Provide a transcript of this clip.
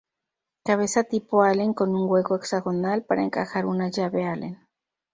Cabeza tipo Allen: con un hueco hexagonal, para encajar una llave Allen.